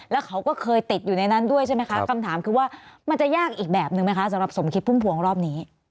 แล้วเขาก็เคยติดอยู่ในนั้นด้วยใช่ไหมคะคำถามคือว่ามันจะยากอีกแบบนึงไหมคะสำหรับสมคิดพุ่มพวงรอบนี้